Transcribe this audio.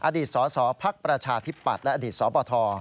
อดีตสสภักดิ์ประชาธิปรัฐและอดีตสบธ